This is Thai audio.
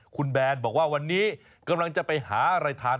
คุณแบนบอกว่าวันนี้กำลังจะไปหาอะไรทาน